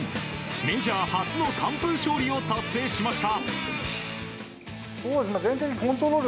メジャー初の完封勝利を達成しました。